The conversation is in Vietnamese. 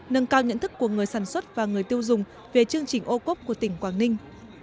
nâng cao nhận thức của người sản xuất và người tiêu dùng về chương trình ô cốp của tỉnh quảng ninh